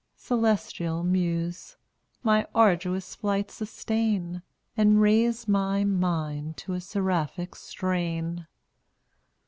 Celestial Muse, my arduous flight sustain, And raise my mind to a seraphic strain!